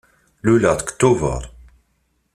Luleɣ deg Tubeṛ.